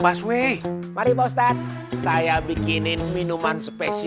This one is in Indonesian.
mahmallah pergi pergi pergi